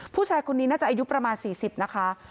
ผู้ชายคนนี้น่าจะอายุประมาณ๔๐นะคะ